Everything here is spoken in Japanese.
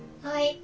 はい。